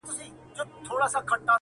سر یې کښته ځړولی وو تنها وو-